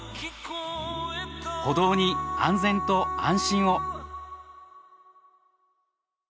歩道に安全と安心を。